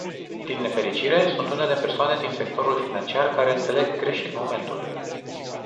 Din nefericire, sunt unele persoane din sectorul financiar care înțeleg greșit momentul.